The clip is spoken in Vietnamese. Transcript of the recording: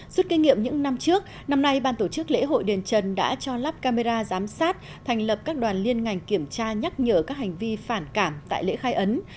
suốt kinh nghiệm những năm trước năm nay ban tổ chức lễ hội đền trần đã cho lắp camera giám sát thành lập các đoàn liên ngành kiểm tra nhắc nhở các hành vi phản cảm tại lễ khai ấn